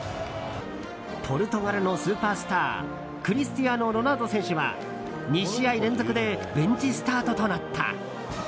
ポルトガルのスーパースタークリスティアーノ・ロナウド選手は２試合連続でベンチスタートとなった。